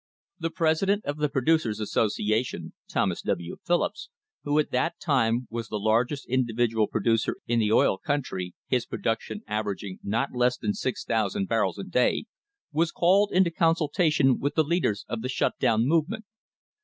The president of the Pro ducers' Association, Thomas W. Phillips, who at that time was the largest individual producer in the oil country, his production averaging not less than 6,000 barrels a day, was called into consultation with the leaders of the "shut down" movement.